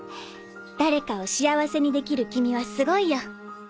誰かを幸せにできる君はすごいよ。